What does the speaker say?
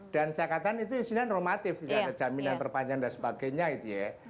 dan saya katakan itu izinnya normatif tidak ada jaminan perpanjangan dan sebagainya gitu ya